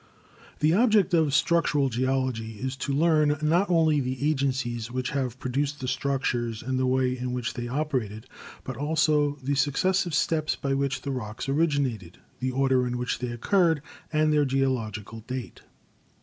The object of Structural Geology is to learn not only the agencies which have produced the structures and the way in which they operated, but also the successive steps by which the rocks originated, the order in which they occurred, and their geological date.